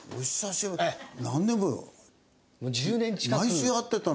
毎週会ってたのに。